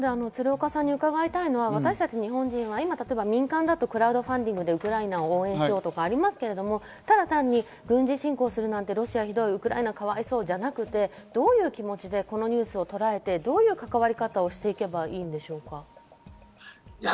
鶴岡さんに伺いたいのは、日本人は民間だとクラウドファンディングでウクライナ応援しようとかありますけれど単に、軍事侵攻するなんてロシアひどい、ウクライナかわいそうじゃなくて、どういう気持ちでこのニュースをとらえて、どういう関わり方をしていけばいいんでしょうか。